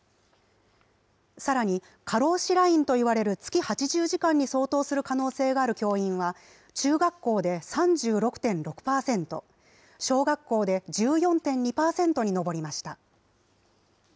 さらに、過労死ラインといわれる月８０時間に相当する可能性がある教員は中学校で３６．６％、小学校で１４．２％に上りました。